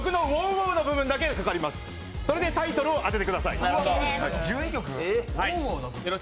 それでタイトルを当ててください。